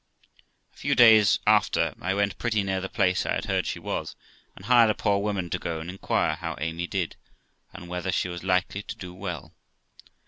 A few days after I went pretty near the place I had heard she was, and hired a poor woman to go and inquire how Amy did, and whether she was likely to do well.